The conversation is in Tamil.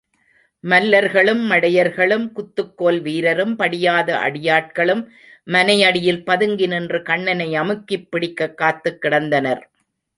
மல்லர்களும், மடையர்களும், குத்துக்கோல் வீரரும், படியாத அடியாட்களும் மனை அடியில் பதுங்கி நின்று கண்ணனை அமுக்கிப்பிடிக்கக் காத்துக் கிடந்தனர்.